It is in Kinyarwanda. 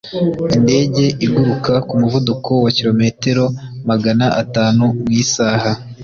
indege iguruka ku muvuduko wa kilometero magana atanu mu isaha